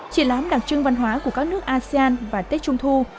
triển lãm đặc trưng văn hóa của các nước asean và tết trung thu